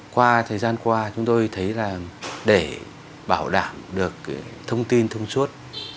qua thời gian qua chúng tôi thấy là để bảo đảm được thông tin thông suốt